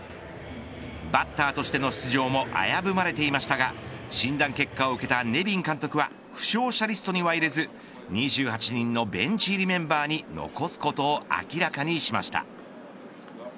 バッターとしての出場も危ぶまれていましたが診断結果を受けたネビン監督は負傷者リストには入れず２８人のベンチ入りメンバーに残すことを明らかにしました。